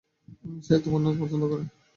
সে তোমার নাচ পছন্দ করে।